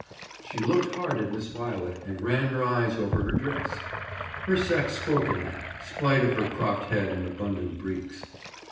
She looked hard at Miss Violet, and ran her eyes over her dress; her sex spoke in that, spite of her cropped head and abundant breeks.